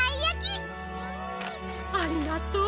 ありがとう。